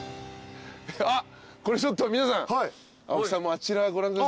あっこれちょっと皆さん青木さんもあちらご覧ください。